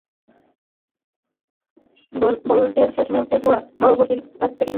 বোল্টের শেষ মুহূর্তের ঝোড়ো গতির কাছে সেকেন্ডের ভগ্নাংশের ব্যবধানে হার মেনেছিলেন।